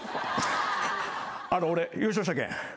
あの俺優勝したけん。